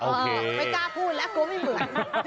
ไม่กล้าพูดแล้วกลัวไม่เหมือน